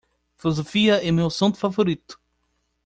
Filosofia é meu assunto favorito.